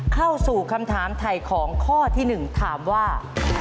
เข้าสู่คำถามถ่ายของข้อที่๑ถามว่า